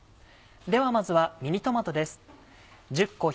ではまずはミニトマトです。